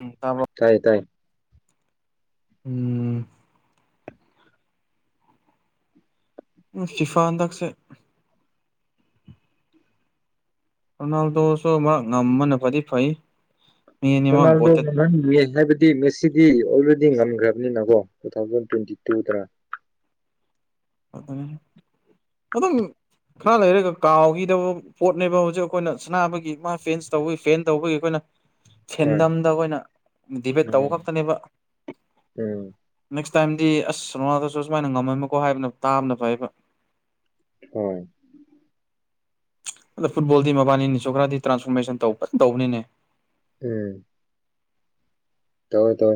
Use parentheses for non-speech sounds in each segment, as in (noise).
ꯎꯝ ꯇꯥꯕ꯭ꯔꯣ ꯇꯥꯏꯌꯦ ꯇꯥꯏꯌꯦ ꯎꯝ ꯐꯤꯐꯥ ꯍꯟꯗꯛꯁꯦ ꯔꯅꯥꯜꯗꯣꯁꯨ ꯃꯥ ꯉꯝꯕꯅ ꯐꯗꯤ ꯐꯩ ꯃꯤ ꯑꯅꯤꯃꯛ ꯔꯣꯅꯥꯜꯗꯣ ꯒꯣꯇꯦꯠ ꯃꯍꯟꯉꯦ ꯍꯥꯏꯕꯗꯤ ꯃꯦꯁꯤꯗꯤ ꯑꯣꯜꯔꯦꯗꯤ ꯗꯤ ꯉꯝꯈ꯭ꯔꯕꯅꯤꯅꯀꯣ ꯇꯨ ꯊꯥꯎꯖꯟ ꯇ꯭ꯋꯦꯟꯇꯤ ꯇꯨꯗꯅ ꯑꯗꯨ ꯑꯗꯨꯝ ꯈꯔ ꯂꯩꯔꯒ ꯀꯥꯎꯈꯤꯗꯕ ꯄꯣꯠꯅꯦꯕ ꯍꯧꯖꯤꯛ ꯑꯩꯈꯣꯏꯅ ꯁꯅꯥꯅꯕꯒꯤ ꯃꯥ ꯐꯦꯟꯁ ꯇꯧꯕꯒꯤ ꯐꯦꯟ ꯇꯧꯕꯒꯤ ꯑꯩꯈꯣꯏꯅ ꯍꯣꯏ ꯁꯦꯟꯗꯝꯗ ꯑꯩꯈꯣꯏꯅ ꯗꯤꯕꯦꯠ ꯇꯧꯕ ꯎꯝ ꯈꯛꯇꯅꯦꯕꯁ ꯇꯝꯗꯤ ꯑꯁ ꯔꯣꯅꯥꯜꯗꯣꯁꯨ ꯁꯨꯃꯥꯏꯅ ꯉꯝꯃꯝꯃꯀꯣ ꯍꯥꯏꯕꯅꯣ ꯇꯥꯕꯅ ꯐꯩꯌꯦꯕꯥ ꯍꯣꯏ ꯑꯗꯣ ꯐꯨꯠꯕꯣꯜꯗꯤ ꯃꯕꯥꯅꯤꯅꯤꯁꯨ ꯈꯔꯗꯤ ꯇ꯭ꯔꯥꯟꯁꯐꯣꯔꯃꯦꯁꯟ ꯇꯧ ꯐꯖꯅ ꯇꯧꯕꯅꯤꯅꯦ ꯎꯝ ꯇꯧꯋꯦ ꯇꯧꯋꯦ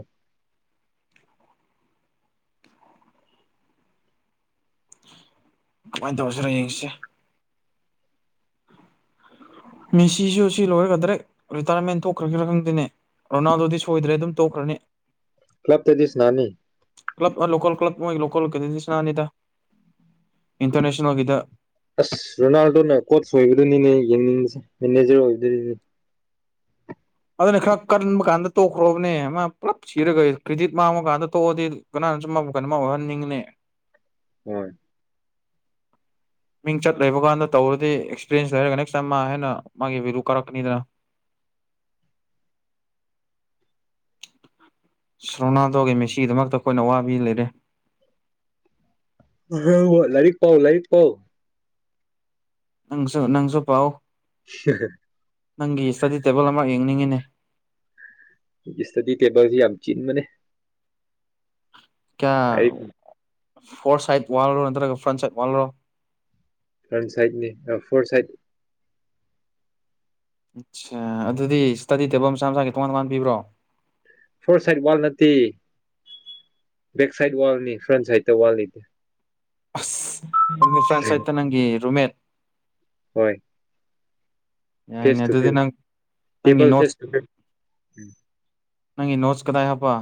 ꯀꯃꯥꯏꯅ ꯇꯧꯁꯤꯔ ꯌꯦꯡꯁꯦ ꯃꯤꯁꯤꯁꯨ ꯁꯤ ꯂꯣꯏꯔꯒ ꯗ꯭ꯔꯦꯛ ꯔꯤꯇꯥꯔꯃꯦꯟ ꯊꯣꯛꯈ꯭ꯔꯒꯦꯔꯥ ꯈꯪꯗꯦꯅꯦ ꯔꯣꯅꯥꯜꯗꯣꯗꯤ ꯁꯣꯏꯗ꯭ꯔꯦ ꯑꯗꯨꯝ ꯇꯣꯛꯈ꯭ꯔꯅꯤ ꯀ꯭ꯂꯕꯇꯗꯤ ꯁꯟꯅꯅꯤ ꯀ꯭ꯂꯕ ꯂꯣꯀꯜ ꯀ꯭ꯂꯕ ꯃꯣꯏꯒꯤ ꯂꯣꯀꯜꯒꯗꯗꯤ ꯁꯅꯥꯅꯤꯗ ꯏꯟꯇꯔꯅꯦꯁꯅꯦꯜꯒꯤꯗ ꯑꯁ ꯔꯣꯅꯥꯜꯗꯣꯅ ꯀꯣꯠ ꯁꯣꯏꯕꯗꯨꯅꯤꯅꯦ ꯌꯦꯡꯅꯤꯡꯕ ꯃꯦꯅꯦꯖꯔ ꯑꯣꯏꯗꯣꯔꯤꯖꯦ ꯑꯗꯨꯅ ꯈꯔ ꯀꯟꯕ ꯀꯥꯟꯗ ꯇꯣꯛꯈ꯭ꯔꯣꯕꯅꯦ ꯃꯥ ꯄꯨꯂꯞ ꯁꯤꯔꯒ ꯀ꯭ꯔꯤꯗꯤꯠ ꯃꯥꯡꯕ ꯀꯥꯟꯗ ꯇꯣꯛꯑꯗꯤ ꯀꯅꯥꯅ ꯆꯨꯝꯕ ꯃꯈꯟ ꯑꯃ ꯑꯣꯏꯍꯟꯅꯤꯡꯉꯅꯦ ꯍꯣꯏ ꯃꯤꯡ ꯆꯠ ꯂꯩꯕ ꯀꯥꯟꯗ ꯇꯧꯔꯗꯤ ꯑꯦꯛꯁꯄꯤꯔꯤꯔꯦꯟꯁ ꯂꯩꯔꯒ ꯅꯦꯛꯁ ꯇꯥꯏꯝ ꯃꯥ ꯍꯥꯟꯅ ꯃꯥꯒꯤ ꯚꯦꯂꯨ ꯀꯥꯔꯛꯀꯅꯤꯗꯅ ꯁ ꯔꯣꯅꯥꯜꯗꯣꯒꯤ ꯃꯦꯁꯤꯒꯤꯗꯃꯛꯇ ꯑꯩꯈꯣꯏꯅ ꯑ ꯋꯥꯕꯤ ꯂꯩꯔꯦ ꯍ ꯂꯥꯏꯔꯤꯛ ꯄꯥꯎ ꯂꯔꯤꯛ ꯄꯥꯎ ꯅꯪꯁꯨ ꯅꯪꯁꯨ ꯄꯥꯎ ꯅꯪꯒꯤ ꯏꯁꯇꯗꯤ ꯇꯦꯕꯜ ꯑꯃ ꯌꯦꯡ (inaudible) ꯁꯇꯗꯤ ꯇꯦꯕꯜꯁꯤ ꯌꯥꯝ ꯆꯤꯟꯕꯅꯦ ꯀꯌꯥ ꯂꯥꯏꯔꯤꯛ ꯐꯣꯔ ꯁꯥꯏꯠ ꯋꯥꯜꯔꯣ ꯅꯠꯇ꯭ꯔꯒ ꯐ꯭ꯔꯟ ꯁꯥꯏꯠ ꯋꯥꯜꯂꯣ ꯐ꯭ꯔꯟ ꯁꯥꯏꯠꯅꯤ ꯑ ꯐꯣꯔ ꯁꯥꯏꯠ ꯑꯠꯁꯥ ꯑꯗꯨꯗꯤ ꯏꯁꯇꯗꯤ ꯇꯦꯕꯜ ꯃꯁꯥ ꯃꯁꯥꯒꯤ ꯇꯣꯉꯥꯟ ꯇꯣꯉꯥꯟ ꯄꯤꯕ꯭ꯔꯣ ꯐꯣꯔ ꯁꯥꯏꯠ ꯋꯥꯜ ꯅꯠꯇꯦ ꯕꯦꯛ ꯁꯥꯏꯠ ꯋꯥꯜ ꯅꯦ ꯐ꯭ꯔꯟ ꯁꯥꯏꯗ ꯇ ꯋꯥꯜ ꯂꯩꯇꯦ ꯑꯁ ꯑꯗꯨꯗꯤ ꯐ꯭ꯔꯦꯟꯠ ꯁꯥꯏꯗ ꯇ ꯅꯪꯒꯤ ꯔꯨꯃꯦꯠ ꯍꯣꯏ ꯐꯦꯁ ꯌꯥꯏꯅꯦ ꯇꯨ ꯑꯗꯨꯗꯤ ꯐꯦꯁ ꯅꯪ ꯅꯪꯒꯤ ꯇꯦꯕꯜ ꯐꯦꯁ ꯅꯣꯠꯁ ꯇꯨ ꯐꯦꯁ ꯅꯪꯒꯤ ꯅꯣꯠꯆ ꯀꯗꯥꯏ ꯍꯥꯞꯄ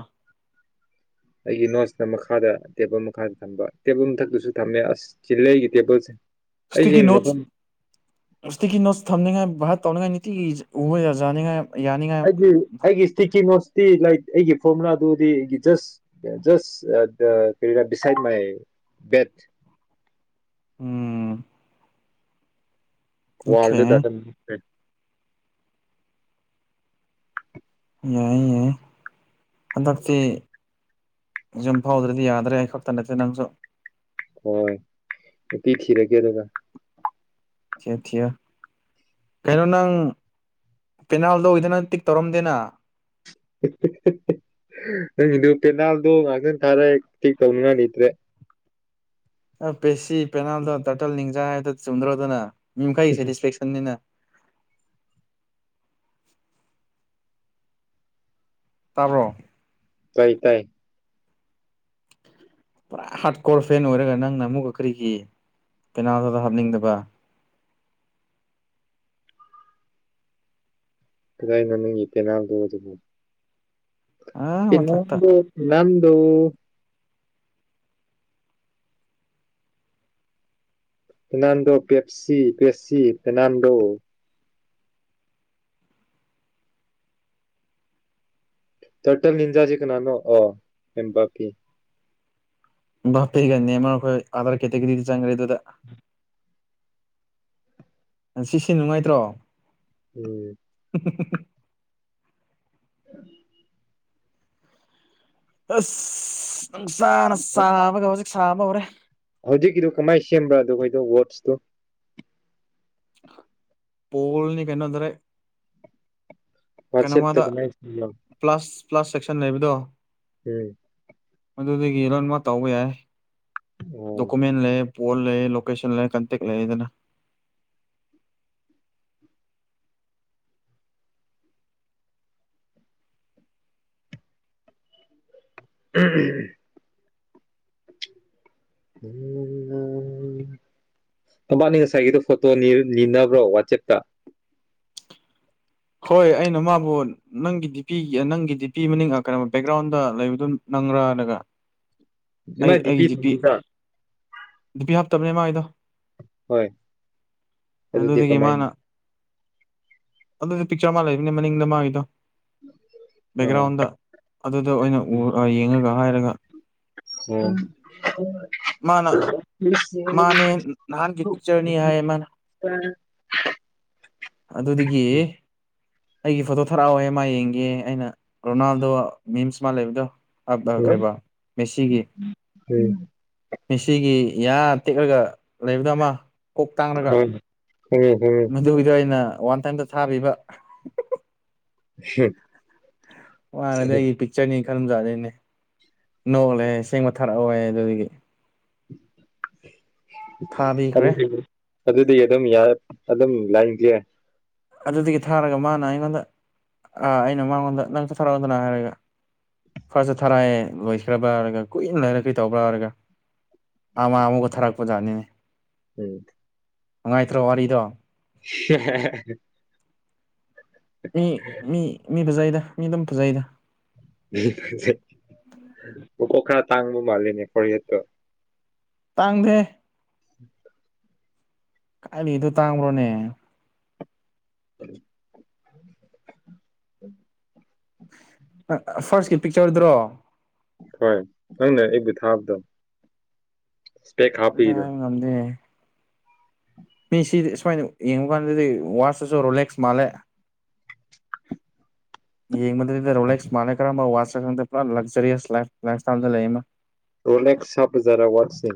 ꯑꯩꯒꯤ ꯅꯣꯠꯁꯅ ꯃꯈꯥꯗ ꯇꯦꯕꯜ ꯃꯈꯥꯗ ꯊꯝꯕ ꯇꯦꯕꯜ ꯃꯊꯛꯇꯁꯨ ꯊꯝꯃꯦ ꯑꯁ ꯆꯤꯜꯂꯦ ꯑꯩꯒꯤ ꯇꯦꯕꯜꯁꯤ ꯁ꯭ꯇꯤꯀꯤ ꯅꯣꯠꯁ ꯁ꯭ꯇꯤꯀꯤ ꯅꯣꯠꯁ ꯊꯝꯅꯤꯡꯉꯥꯏ ꯚꯥꯠ ꯇꯧꯅꯉꯤꯏ ꯅꯤꯇꯤꯒꯤ ꯖ ꯎꯕ ꯖꯥꯅꯤꯡꯉꯥꯏ ꯑꯩꯒ ꯑꯩꯒꯤ ꯏꯁ꯭ꯇꯤꯀꯤ ꯅꯣꯠꯆ ꯇꯤ ꯂꯥꯏꯛ ꯑꯩꯒꯤ ꯐꯣꯔꯃꯨꯂꯥꯗꯨꯗꯤ ꯑꯩꯒꯤ ꯖꯁ ꯖꯁ ꯀꯔꯤꯔꯥ ꯕꯤꯁꯥꯏꯠ ꯃꯥꯏ ꯕꯦꯠ ꯎꯝ ꯑꯣꯀꯦ ꯋꯥꯜꯗ ꯗꯔꯀꯟ ꯌꯥꯏ ꯌꯥꯏ ꯍꯟꯗꯛꯇꯤ ꯌꯨꯝ ꯐꯥꯎꯗ꯭ꯔꯗꯤ ꯌꯥꯗ꯭ꯔꯦ ꯑꯩ ꯈꯛꯇ ꯅꯠꯇꯦ ꯅꯪꯁꯨ ꯍꯣꯏ ꯅꯨꯄꯤ ꯊꯤꯔꯒꯦ ꯑꯗꯨꯒ ꯊꯤꯌꯨ ꯊꯤꯌꯨ ꯀꯩꯅꯣ ꯅꯪ ꯄꯦꯅꯥꯜꯗ ꯑꯣꯏꯗꯅ ꯇꯤꯛ ꯇꯧꯔꯝꯗꯦꯅ ꯍꯤꯍꯤꯍꯤ ꯅꯪꯒꯤꯗꯣ ꯄꯦꯅꯥꯜꯗꯣ ꯉꯥꯏꯇꯪ ꯇꯤꯛ ꯇꯧꯅꯉꯥꯏ ꯂꯩꯇ꯭ꯔꯦ ꯑ ꯄꯦꯁꯤ ꯄꯦꯅꯥꯜꯗꯣ ꯇꯦ ꯅꯤꯡꯖꯥꯏꯦꯗ ꯆꯨꯝꯗ꯭ꯔꯣꯗꯅ ꯃꯤ ꯃꯈꯩ ꯁꯦꯇꯤꯁꯐꯦꯛꯁꯟꯅꯤꯅ ꯇꯥꯕ꯭ꯔꯣ ꯇꯥꯏ ꯇꯥꯏ ꯄꯨꯔꯥ ꯍꯥꯔꯠ ꯀꯣꯔ ꯐꯦꯟ ꯑꯣꯏꯔꯒ ꯅꯪꯅ ꯑꯃꯨꯛꯀ ꯀꯔꯤꯒꯤ ꯄꯦꯅꯥꯜꯗꯨꯗ ꯍꯥꯞꯅꯤꯡꯗꯕ ꯀꯥꯗꯥꯏꯅꯣ ꯅꯪꯒꯤ ꯄꯦꯅꯥꯜꯗꯣ ꯗꯨꯕꯨ ꯑꯥ ꯃꯊꯛꯇ ꯑꯟꯏꯟꯇꯦꯜꯂꯤꯖꯦꯕꯜ ꯗꯣ Fernando Pepsi Pepsi Fernando turtle ꯅꯤꯟꯖꯥꯖꯤ ꯀꯅꯥꯅꯣ ꯑ ꯀꯟꯕꯥꯀꯤ ꯕꯥꯄꯦꯒꯅꯦ ꯃꯈꯣꯏ ꯑꯥꯔꯔꯥꯏ ꯀꯦꯇꯒꯔꯤꯗꯤ ꯆꯪꯒ꯭ꯔꯦ ꯑꯗꯨꯗ ꯁꯤꯁꯤ ꯅꯨꯡꯉꯥꯏꯇ꯭ꯔꯣ ꯎꯝ ꯍꯝꯍꯝꯍꯝ ꯑꯟꯑꯣꯗꯤꯕꯜ ꯑꯁ ꯅꯨꯡꯁꯥꯅ ꯁꯥꯕꯒ ꯍꯧꯖꯤꯛ ꯁꯥꯕ ꯍꯧꯔꯦ ꯍꯧꯖꯤꯛꯀꯤꯗꯨ ꯀꯃꯥꯏ ꯁꯦꯝꯕ꯭ꯔꯥꯗꯣ ꯑꯩꯈꯣꯏꯗꯣ ꯋꯥꯠꯁꯇꯣ ꯄꯣꯜꯅꯤ ꯀꯩꯅꯣ ꯗꯔꯦ ꯀꯩꯅꯣ ꯋꯥꯆꯦꯞꯇ ꯃꯥꯗꯣ ꯀꯃꯥꯏ ꯁꯦꯝꯕ꯭ꯔꯥ ꯄ꯭ꯂꯁ ꯄ꯭ꯂꯁ ꯁꯦꯛ ꯈꯟꯅꯩꯕꯗꯣ ꯎꯝ ꯑꯗꯨꯗꯒꯤ ꯂꯣꯏꯃꯛ ꯇꯧꯕ ꯌꯥꯏ ꯑꯣ ꯗꯣꯀꯨꯃꯦꯟ ꯂꯩ ꯄꯣꯜ ꯂꯩ ꯂꯣꯀꯦꯁꯟ ꯂꯩ ꯀꯟꯇꯦꯛ ꯂꯩꯌꯦꯗꯅ (unintelligible) ꯃꯕꯥꯅꯤ ꯉꯁꯥꯏꯒꯤꯗꯣ ꯐꯣꯇꯣ ꯅꯤꯅꯕ꯭ꯔꯣ ꯋꯥꯆꯦꯞꯇ ꯍꯣꯏ ꯑꯩꯅ ꯃꯥꯕꯨ ꯅꯪꯒꯤ ꯗꯤꯄꯤꯒꯤ ꯅꯪꯒꯤ ꯗꯤꯄꯤ ꯃꯅꯤꯡ ꯀꯩꯅꯣ ꯕꯦꯛꯒ꯭ꯔꯥꯎꯟꯗ ꯂꯩꯕꯗꯨ ꯅꯪꯔ ꯍꯥꯏꯔꯒ (unintelligible) ꯅꯨꯄꯤ ꯍꯥꯞꯇꯕꯅꯦ ꯃꯥꯏꯗꯣ ꯍꯣꯏ ꯑꯗꯨꯗꯤ ꯑꯗꯨꯗꯒꯤ ꯀꯃꯥꯏꯅ ꯃꯥꯅ ꯑꯗꯨꯗꯤ ꯄꯤꯛꯆꯔ ꯃꯥ ꯂꯩꯕꯅꯦ ꯃꯅꯤꯡꯗ ꯃꯥꯒꯤꯗꯣ ꯑꯥ ꯕꯦꯛꯒ꯭ꯔꯥꯎꯟꯗ ꯑꯗꯨꯗ ꯑꯣꯏꯅ ꯎ ꯌꯦꯡꯉꯒ ꯍꯥꯏꯔꯒ ꯑꯣ ꯃꯥꯅ ꯎꯝ ꯃꯥꯅꯦ ꯅꯍꯥꯟꯒꯤ ꯄꯤꯛꯆꯔꯅꯤ ꯍꯥꯏꯌꯦ ꯃꯥꯅ ꯑꯗꯨꯗꯒꯤ ꯑꯩꯒꯤ ꯐꯣꯇꯣ ꯊꯔꯛꯑꯣꯋꯦ ꯃꯥ ꯌꯦꯡꯒꯦ ꯑꯩꯅ ꯔꯣꯅꯥꯜꯗꯣ ꯃꯤꯝꯁ ꯃꯥ ꯂꯩꯕꯗꯣ ꯀꯔꯤꯕ ꯃꯦꯁꯤꯒꯤ ꯍꯣꯏ ꯃꯦꯁꯤꯒꯤ ꯌꯥ ꯇꯦꯛꯑꯒ ꯂꯩꯕꯗ ꯑꯃ ꯀꯣꯛ ꯇꯥꯡꯂꯒ ꯈꯪꯉꯦ ꯈꯪꯉꯦ ꯃꯗꯨꯗꯩꯅ ꯋꯥꯟ ꯊꯥꯕꯤꯕ (unintelligible) ꯋꯥꯅ ꯅꯪꯒꯤ ꯄꯤꯛꯆꯔꯅꯤ ꯈꯔꯝꯖꯥꯠꯅꯤꯅꯦ ꯅꯣꯂꯦ ꯁꯦꯡꯕ ꯊꯥꯔꯛꯑꯣꯦ ꯑꯗꯨꯗꯒꯤ (unintelligible) ꯊꯥꯕꯤꯈ꯭ꯔꯦ ꯑꯗꯨꯗꯤ ꯑꯗꯨꯗꯤ ꯑꯗꯨꯝ ꯌꯥ ꯑꯗꯨꯝ ꯂꯥꯏꯟꯗꯦ ꯑꯗꯨꯗꯒꯤ ꯊꯥꯔꯒ ꯃꯥꯅ ꯑꯩꯉꯣꯟꯗ ꯑꯩꯅ ꯃꯥꯉꯣꯟꯗ ꯅꯪꯛꯇ ꯊꯥꯔꯛꯑꯣꯗꯅ ꯍꯥꯏꯔꯒ ꯐꯥꯔꯁꯇ ꯊꯥꯔꯛꯑꯦ ꯂꯣꯏꯈ꯭ꯔꯕ꯭ꯔꯥ ꯍꯥꯏꯔꯒ ꯀꯨꯏꯅ ꯂꯩꯔ ꯀꯩ ꯇꯧꯕ꯭ꯔꯥ ꯍꯥꯏꯔꯒ ꯑꯃ ꯑꯃꯒ ꯊꯥꯔꯛꯄ ꯖꯥꯠꯅꯤꯅꯦ ꯎꯝ ꯅꯨꯡꯉꯥꯏꯇ꯭ꯔꯣ ꯋꯥꯔꯤꯗꯣ (unintelligible) ꯃꯤ ꯃꯤ ꯃꯤ ꯗ ꯃꯤ ꯑꯗꯨꯝ ꯐꯖꯩꯗ (unintelligible) ꯃꯀꯣꯛꯈꯔ ꯇꯥꯡꯕ ꯃꯥꯜꯂꯤꯅꯦ ꯀꯣꯛꯌꯦꯠꯇꯣ ꯇꯥꯡꯗꯦ ꯀꯥꯏꯂꯤꯗꯣ ꯇꯥꯡꯕ꯭ꯔꯣꯅꯦ (unintelligible) ꯐꯥꯔꯁꯀꯤ ꯄꯤꯛꯆꯔꯗ꯭ꯔꯣ ꯍꯣꯏ ꯅꯪꯅ ꯑꯩꯕꯨ ꯊꯥꯕꯗꯣ ꯏꯁꯄꯦꯛ ꯑꯗꯨ ꯍꯥꯞꯄꯤꯗꯣ ꯉꯗꯦ ꯃꯤ ꯁꯤꯗꯤ ꯁꯨꯃꯥꯏꯅ ꯌꯦꯡꯉꯨꯀꯥꯟꯗꯗꯤ ꯋꯥꯇꯁꯨ ꯔꯤꯂꯦꯛꯁ ꯃꯥꯜꯂꯦ ꯌꯦꯡ ꯃꯗ꯭ꯔꯗ ꯔꯣꯂꯦꯛꯁ ꯃꯥꯅ ꯀ꯭ꯔꯝ ꯋꯥ ꯗ ꯄꯨꯔ ꯂꯛꯖꯔꯤꯌꯥꯁ ꯂꯥꯏ ꯏꯁꯇ ꯂꯩ ꯔꯣꯂꯛꯁ ꯁꯄꯖꯔꯥ ꯋꯥꯠꯁ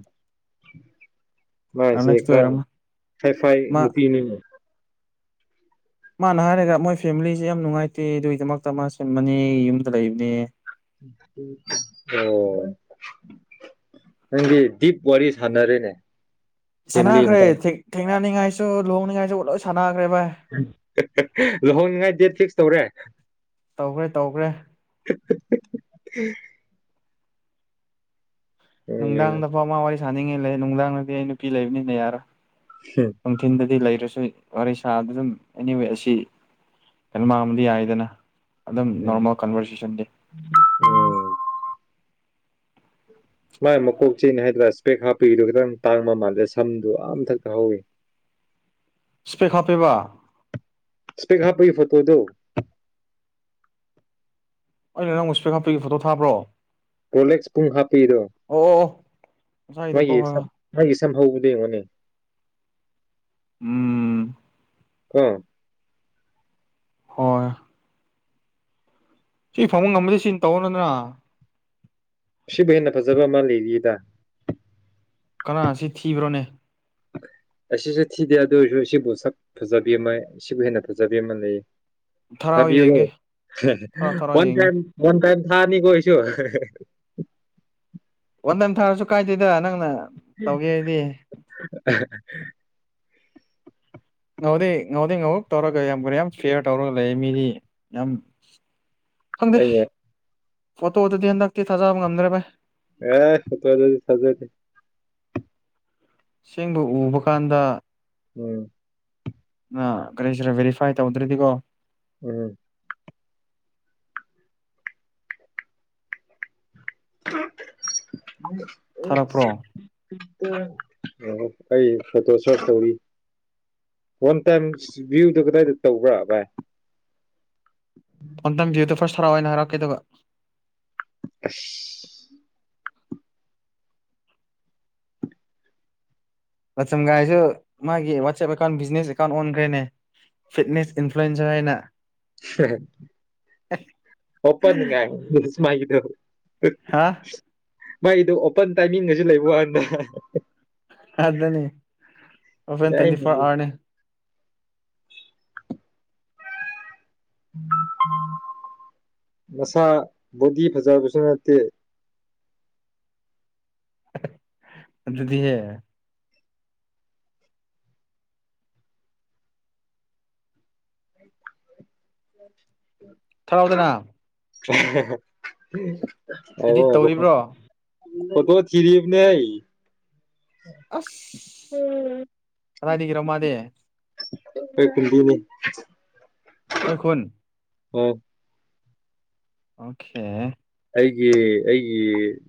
ꯃꯥꯁꯦ ꯔꯣꯂꯦꯛꯁꯇꯨ ꯈꯔ ꯑꯣꯏꯔꯝꯃ ꯐꯥꯏ ꯐꯥꯏ ꯃꯥ ꯅꯨꯄꯤꯅꯤ ꯃꯥꯅ ꯍꯥꯏꯔꯒ ꯃꯣꯏ ꯐꯦꯃꯤꯂꯤꯁꯦ ꯌꯥꯝ ꯅꯨꯡꯉꯥꯏꯇꯦ ꯑꯗꯨꯒꯤꯗꯃꯛꯇ ꯃꯥ ꯁꯟꯕꯅꯤ ꯌꯨꯝꯗ ꯂꯩꯕꯅꯦ ꯑꯣ ꯅꯪꯗꯤ ꯗꯤꯞ ꯋꯥꯔꯤ ꯁꯥꯟꯅꯔꯦꯅꯦ ꯐꯦꯃꯤꯂꯤ ꯁꯥꯟꯅꯈ꯭ꯔꯦ ꯃꯇꯥꯡ ꯊꯦꯡꯅꯅꯤꯡꯉꯥꯏꯁꯨ ꯂꯣꯡꯅꯤꯡꯉꯥꯏꯁꯨꯦꯂ ꯁꯥꯟꯅ ꯂꯧꯍꯣꯡꯅꯤꯡꯉꯥꯏ ꯗꯦꯠ ꯐꯤꯛꯁ ꯇꯧꯔꯦ ꯇꯧꯈ꯭ꯔꯦ ꯇꯧꯈ꯭ꯔꯦ (unintelligible) ꯅꯨꯡꯗꯥꯡꯗ ꯐꯃ ꯑꯣꯏ ꯁꯥꯅꯤꯡꯉꯤ ꯂꯩ ꯅꯨꯡꯗꯥꯡꯅꯗꯤ ꯑꯩ ꯅꯨꯄꯤ ꯂꯩꯕꯅꯤꯅ ꯌꯥꯔ ꯅꯨꯡꯊꯤꯟꯗꯗꯤ ꯂꯩꯔꯁꯨ ꯋꯥꯔꯤ ꯁꯥꯗ ꯑꯗꯨꯝ ꯑꯦꯅꯤ ꯋꯦ ꯑꯁꯤ ꯌꯥꯝꯩꯅꯣ ꯃꯥꯡꯕꯗꯤ ꯌꯥꯏꯗꯅ ꯑꯗꯨꯝ ꯅꯣꯔꯃꯦꯜ ꯀꯟꯚꯔꯁꯦꯁꯟ ꯗꯦ ꯃ ꯃꯨꯀꯨꯕ ꯆꯅ ꯍꯥꯏ ꯏꯁꯄꯦꯛ ꯍꯥꯞꯄꯤꯗꯨꯣ ꯈꯤꯇꯪ ꯇꯥꯡꯕ ꯃꯃꯜꯂꯦ ꯁꯝꯗꯣ ꯑꯝꯊꯛꯇ ꯍꯧꯋꯤ ꯁ꯭ꯄꯦꯛ ꯀ ꯍꯥꯄꯦꯕ ꯏꯁꯇꯦ ꯈ ꯍꯥꯄꯔꯤ ꯐꯠꯇꯣꯗꯣ ꯑꯩꯅ ꯅꯪꯕꯨ ꯏꯁꯄꯦꯛ ꯍꯥꯞꯄꯄꯤꯒꯤ ꯐꯣꯇꯣ ꯊꯥꯕ꯭ꯔꯣ ꯄ꯭ꯔꯣꯂꯦꯛꯁ ꯄꯨꯡ ꯍꯥꯞꯄꯤꯔꯣ ꯑꯣ ꯑꯣ ꯑꯣ ꯉꯁꯥꯏꯒꯤꯗꯣꯀꯣ ꯍꯣꯏ ꯍꯣꯏ ꯃꯥ ꯁꯝꯍꯧꯕꯗ ꯃꯅꯦ ꯎꯝ ꯑꯥ ꯍꯣꯏ ꯁꯤ ꯐꯪꯕ ꯉꯝꯃꯗꯤ ꯁꯤ ꯇꯧꯑꯣ ꯅꯠꯇ꯭ꯔ ꯕꯨ ꯍꯦꯟꯅ ꯐꯖꯕ ꯃꯥꯥ ꯂꯤꯔꯤꯌꯦꯗ ꯀꯅꯥ ꯑꯁꯤ ꯊꯤꯕ꯭ꯔꯣꯅꯦ ꯑꯁꯤꯁꯨ ꯊꯤꯗꯦ ꯑꯗꯨ ꯑꯣꯏꯔꯁꯨ ꯁꯤꯕꯨ ꯁꯛ ꯐꯖꯕꯤ ꯑꯃ ꯁꯤꯕꯨ ꯍꯦꯟꯅ ꯐꯖꯕꯤ ꯑꯃ ꯂꯩꯌꯦ ꯊꯥꯔꯛꯑꯣ ꯊꯕꯤꯔꯣ ꯌꯦꯡꯒꯦ ꯊꯥꯔꯛꯑꯣ ꯊꯥꯔꯛꯑꯣ ꯌꯦꯡꯒꯦ ꯋꯥꯟꯥꯏ ꯋꯥꯟ ꯇꯥꯏꯝ ꯊꯥꯅꯤ ꯀꯣꯏꯁꯨ ꯏ ꯅꯪꯅ ꯇꯧꯒꯦ ꯑꯩꯗꯤ ꯉꯥꯎꯗꯦ ꯉꯥꯎꯗꯦ ꯉꯥꯎꯍꯧ ꯇꯧꯔꯒ ꯌꯥꯝ ꯀꯔ ꯌꯥꯝ ꯐꯤꯌꯔ ꯇꯧꯔꯒ ꯂꯩ ꯃꯤꯗꯤ ꯌꯥꯝ ꯁꯗꯦꯁ ꯑꯩꯅ ꯐꯠꯇꯣ ꯋꯥ ꯊꯙꯌꯥꯟ ꯇꯥꯛꯇ ꯊꯥꯖꯥ ꯉꯝꯗꯔꯦꯚꯥꯏ ꯑꯦ ꯁꯇꯔꯖꯗꯤ ꯁꯥꯖꯔꯗꯤ ꯁꯦꯡꯕ ꯎꯕ ꯀꯥꯟꯗ ꯎꯝ ꯑ ꯒꯔꯤꯁꯤꯔ ꯚꯦꯔꯤꯐꯥꯏ ꯇꯧꯗ꯭ꯔꯔꯤꯗꯤꯀꯣ ꯎꯝ ꯎ ꯊꯥꯔꯛꯄ꯭ꯔꯣ ꯑ ꯑꯣ ꯑꯩ ꯐꯣꯇꯣ ꯁꯣꯠ ꯇꯧꯔꯤ ꯋꯥꯟ ꯇꯥꯏꯝ ꯚ꯭ꯌꯨꯗ ꯀꯗꯥꯏꯗ ꯇꯧꯕ꯭ꯔꯥ ꯚꯥꯏ ꯄꯣꯟꯇꯝ ꯚ꯭ꯌꯨꯗ ꯐꯥꯔꯁ ꯍꯔꯥꯎꯏꯅ ꯍꯥꯏꯔꯛꯀꯦꯗꯕ (inaudible) ꯂꯆꯝꯒꯥꯏꯁꯨ ꯃꯥꯒꯤ ꯋꯥꯆꯦꯞ ꯑꯦꯀꯥꯎꯟ ꯕꯤꯖꯤꯅꯦꯁ ꯑꯦꯀꯥꯎꯟ ꯑꯣꯟꯈ꯭ꯔꯦꯅꯦ ꯐꯤꯠꯅꯦꯁ ꯏꯟꯐ꯭ꯂꯨꯋꯟꯖꯔ ꯍꯥꯏꯅ ꯑꯣꯄ ꯑꯗꯨꯉ ꯌꯥꯣꯏ ꯎ ꯍꯥ ꯃꯥꯏꯗꯣ ꯑꯣꯄꯟ ꯇꯥꯏꯃꯤꯡꯒꯁꯨ ꯂꯩꯕ ꯀꯥꯟꯗ ꯑꯗꯨꯗꯅꯤ ꯑꯣ ꯐꯦꯟ ꯇ꯭ꯋꯦꯟꯇꯤ ꯌꯥꯏꯅꯦ ꯐꯣꯔꯔꯅꯦ ꯃꯁꯥ ꯕꯣꯗꯤ ꯐꯖꯕꯁꯨ ꯅꯠꯇꯦ ꯑꯗꯨꯗꯤ ꯍꯦ (inaudible) ꯊꯔꯥꯎꯗꯅ (inaudible) ꯏꯗꯤꯠ ꯇꯧꯔꯤꯕ꯭ꯔꯣ ꯑꯣ ꯇ ꯊꯤꯔꯤꯞꯅꯦ ꯑꯁ ꯄꯔꯥꯗꯤ ꯀ꯭ꯔꯣꯃꯗꯦ ꯀꯩ ꯀꯗꯤꯅꯤ ꯑꯣꯏꯈꯣꯟ ꯍꯣꯏ ꯑꯣꯀꯦ ꯑꯩꯒꯤ ꯑꯩꯒꯤ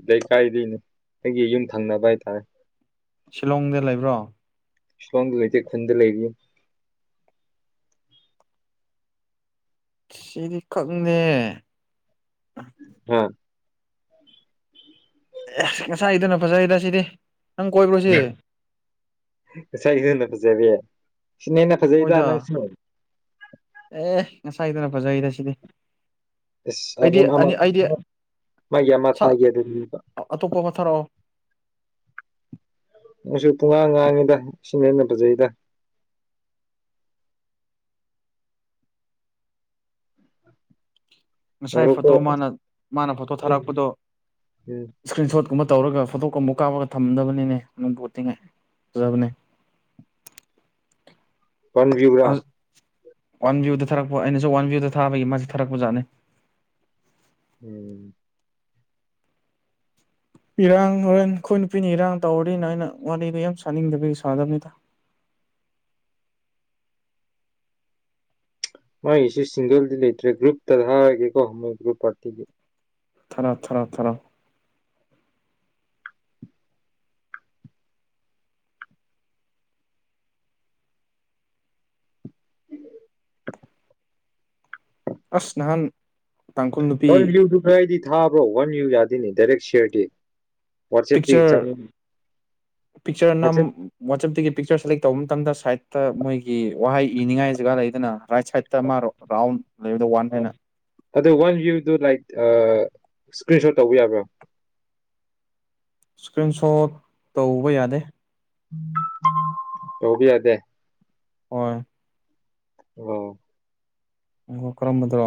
ꯂꯩꯀꯥꯏꯗꯒꯤꯅꯦ ꯑꯩꯒꯤ ꯌꯨꯝ ꯊꯪꯅꯕ ꯍꯥꯏꯇꯥꯔꯦ ꯁꯤꯂꯣꯡꯗ ꯂꯩꯕ꯭ꯔꯣ ꯁꯋꯥꯥꯡ ꯂꯩꯩꯗꯤ ꯈꯨꯟꯗ ꯂꯩꯔꯤꯌ ꯁꯤꯗꯤ ꯈꯛꯅꯦ ꯍꯥꯝ ꯑꯦ ꯉꯁꯥꯏꯗꯨꯅ ꯐꯖꯩꯗ ꯁꯤꯗꯤ ꯅꯪ ꯀꯣꯏꯕ꯭ꯔꯣ ꯁꯤ ꯉꯥꯏ ꯍꯅꯥ ꯐꯖꯩꯕꯤ ꯁꯤꯅꯤꯅꯅꯥ ꯐꯖꯩꯗ ꯅꯪ ꯍꯣꯏꯗ ꯁꯤꯅꯣ ꯑꯦ ꯉꯁꯥꯏꯗꯨꯅ ꯐꯖꯩꯔ ꯁꯤꯗꯤ ꯏꯁ ꯑꯩꯗꯤ ꯑꯅꯤ ꯑꯩꯗꯤ ꯃꯒꯤ ꯑꯃ ꯊꯥꯒꯦ ꯑꯗꯨ ꯑꯇꯣꯞꯄ ꯑꯃ ꯊꯥꯔꯛꯑꯣ ꯑꯩꯁꯨ ꯄꯨꯡꯉꯥꯡ ꯉꯥꯡꯉꯤꯗ ꯁꯤꯅ ꯍꯦꯟꯅ ꯐꯖꯩꯗ ꯉꯁꯥꯏ ꯉꯥꯏꯈꯣꯀꯣ ꯐꯣꯇꯣ ꯃꯥꯅ ꯃꯥꯅ ꯐꯣꯇꯣ ꯊꯥꯔꯛꯄꯗꯣ ꯎꯝ ꯏꯁꯀ꯭ꯔꯤꯟ ꯁꯣꯠ ꯒꯨꯝꯕ ꯇꯧꯔꯒ ꯐꯣꯇꯣꯛꯀꯨꯝ ꯑꯃꯨꯛ ꯀꯥꯞꯄꯒ ꯊꯝꯗꯕꯅꯤꯅꯦ ꯑꯗꯨꯕꯨꯇꯤꯡꯉꯥꯏ ꯐꯖꯕꯅꯦ ꯄꯟꯕꯤꯌꯕ꯭ꯔꯥ ꯋꯥꯟ ꯚ꯭ꯌꯨꯗ ꯊꯥꯛꯄ ꯑꯩꯅꯁꯨ ꯋꯥꯟ ꯚꯤꯌꯨꯗ ꯊꯥꯕꯒꯤ ꯃꯥꯁ ꯊꯥꯔꯛꯄꯖꯥꯠꯅꯤ ꯎꯝ ꯏꯔꯥꯡ ꯍꯣꯔꯦꯟ ꯑꯩꯈꯣꯏ ꯅꯨꯄꯤꯅ ꯏꯔꯥꯡ ꯇꯧꯔꯅꯤꯅ ꯑꯩꯅ ꯋꯥꯔꯤꯗ ꯌꯥꯝ ꯁꯥꯅꯤꯡꯗꯕꯤꯒꯤ ꯁꯥꯗꯕꯅꯤꯗ ꯃꯥꯏꯁꯨ ꯁꯤꯡꯒꯜꯗꯤ ꯂꯩꯇ꯭ꯔꯦ ꯒ꯭ꯔꯨꯞ ꯇ ꯊꯥꯔꯒꯦꯀꯣ ꯍꯣꯏ ꯒ꯭ꯔꯨꯞ ꯄꯥꯔꯇꯤꯗꯤ ꯊꯔ ꯊꯔ ꯊꯔ ꯑꯁ ꯅꯍꯥꯟ ꯇꯥꯡꯈꯨꯜ ꯅꯨꯄꯤ ꯋꯥꯟ ꯚ꯭ꯌꯨꯗꯨ ꯈꯔꯗꯤ ꯊꯥꯕ꯭ꯔꯣ ꯋꯥꯟ ꯌꯨ ꯌꯥꯗꯅꯤ ꯗꯥꯏꯔꯦꯛ ꯁꯤꯌꯔꯗꯤ ꯄꯆꯦꯗꯤ ꯆꯪ ꯄꯤꯛꯆꯔꯅꯝ ꯋꯥꯆꯦꯞ ꯋꯥꯆꯞꯇꯒꯤ ꯄꯤꯛꯆꯔ ꯁꯦꯂꯦꯛ ꯇꯧꯕ ꯃꯇꯝꯗ ꯁꯥꯏꯠꯇ ꯃꯣꯏꯒꯤ ꯋꯥꯍꯩ ꯏꯅꯤꯡꯉꯥꯏ ꯖꯒꯥ ꯂꯩꯗꯅ ꯔꯥꯏꯠ ꯁꯥꯏꯗꯠꯇ ꯃꯥꯔꯣ ꯔꯥꯎꯟ ꯂꯩꯕꯗꯣ ꯋꯥꯟ ꯍꯥꯏꯅ ꯏꯁ꯭ꯀ꯭ꯔꯤꯟ ꯁꯣꯠ ꯇꯧꯕ ꯌꯥꯕ꯭ꯔꯥ ꯏꯁꯀ꯭ꯔꯤꯟ ꯁꯣꯠ ꯇꯧꯕ ꯌꯥꯗꯦ ꯇꯧꯕ ꯌꯥꯗꯦ ꯍ ꯑꯣ ꯑꯣ ꯀꯔꯝꯕꯗ꯭ꯔꯣ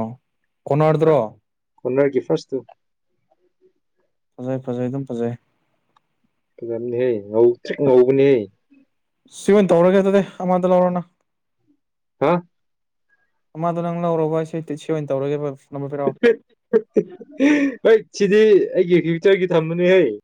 ꯀꯔꯗ꯭ꯔꯣ ꯍꯅꯔꯒꯤ ꯐꯔꯁ ꯇꯨ ꯐꯖꯩ ꯐꯖꯩ ꯑꯗꯨꯝ ꯐꯖꯩ ꯐꯖꯕꯅꯦꯍꯦ ꯉꯧꯇꯔ꯭ꯤꯛ ꯉꯧꯕꯅꯦ ꯁꯤ ꯑꯣꯏꯅ ꯇꯧꯔꯒꯦ ꯑꯗꯨꯗꯤ ꯑꯃꯗ ꯂꯧꯔꯣꯅ ꯍꯥ ꯑꯃꯗꯣ ꯅꯪ ꯂꯧꯔꯔꯕ ꯁꯤ ꯁꯤ ꯑꯣꯏꯅ ꯇꯧꯔꯒꯦ ꯍꯣꯏ ꯁꯤꯗꯤ ꯑꯩꯒꯤ ꯆꯆꯔꯒꯤ ꯊꯝꯃꯅꯤ ꯍꯩ